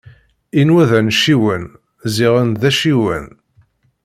Inwa d anciwen, ziɣen d acciwen.